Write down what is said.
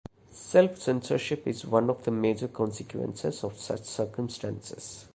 Self-censorship is one of the major consequences of such circumstances.